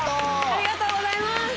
ありがとうございます。